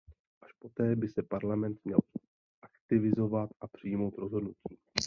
Až poté by se Parlament měl aktivizovat a přijmout rozhodnutí.